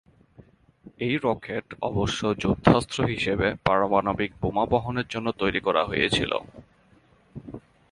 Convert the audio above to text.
এই রকেট অবশ্য যুদ্ধাস্ত্র হিসাবে পারমাণবিক বোমা বহনের জন্য তৈরি করা হয়েছিল।